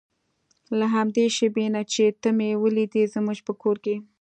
له همدې شېبې نه چې ته مې ولیدې زموږ په کور کې.